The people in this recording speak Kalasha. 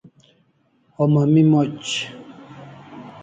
Homa mi moch